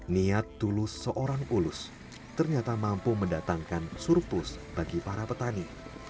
niat tulus seorang ulus ternyata mampu mendatangkan surplus bagi para petani